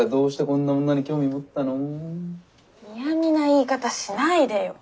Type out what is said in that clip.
嫌みな言い方しないでよ。